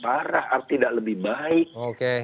arah arti tidak lebih baik